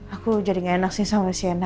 aku jadi gak enak sih sama sienna